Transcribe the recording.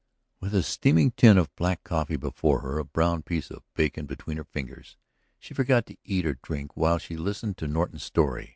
With a steaming tin of black coffee before her, a brown piece of bacon between her fingers, she forgot to eat or drink while she listened to Norton's story.